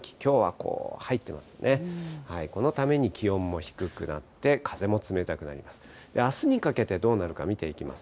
このために気温も低くなって、風も冷たくなります。